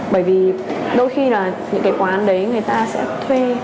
bởi vì đôi khi là những cái quán đấy người ta sẽ thuê